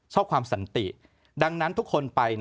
ชอบความสันติดังนั้นทุกคนไป